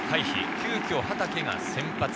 急きょ畠が先発。